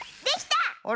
あれ？